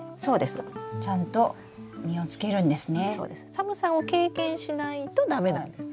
寒さを経験しないと駄目なんです。